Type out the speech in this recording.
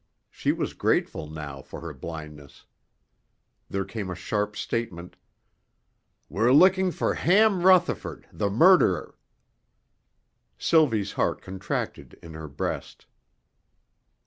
She was grateful now for her blindness. There came a sharp statement: "We're looking for Ham Rutherford, the murderer." Sylvie's heart contracted in her breast.